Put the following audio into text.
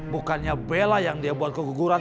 bukannya bela yang dia buat keguguran